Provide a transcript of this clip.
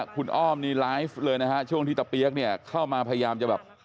คุณอ้อมนี่ไลฟ์เลยนะฮะช่วงที่ตะเปี๊ยกเนี่ยเข้ามาพยายามจะแบบ